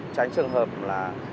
tránh trường hợp là